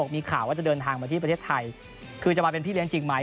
มีข่าวว่าจะเดินทางมาที่ประเทศไทยคือจะมาเป็นพี่เลี้ยจริงไหม